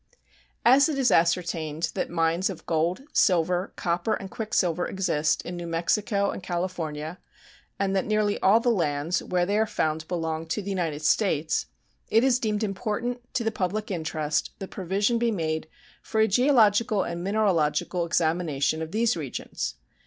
As it is ascertained that mines of gold, silver, copper, and quicksilver exist in New Mexico and California, and that nearly all the lands where they are found belong to the United States, it is deemed important to the public interest that provision be made for a geological and mineralogical examination of these regions.